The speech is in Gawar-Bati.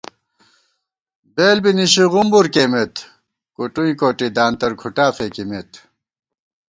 بېل بی نِشی غُمبُر کېئیمېت، کُٹُئیں کوٹی دانتر کھُٹا فېکِمېت